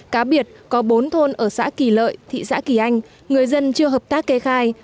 cá biệt có bốn thôn ở xã kỳ lợi thị xã kỳ anh người dân chưa hợp tác kê khai